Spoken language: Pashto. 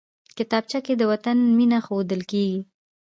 کتابچه کې د وطن مینه ښودل کېږي